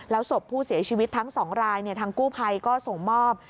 ศพผู้เสียชีวิตทั้ง๒รายทางกู้ภัยก็ส่งมอบ